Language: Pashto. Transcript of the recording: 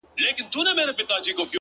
يو ما و تا!!